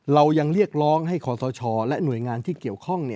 เรายังเรียกร้องให้ขอสชและหน่วยงานที่เกี่ยวข้อง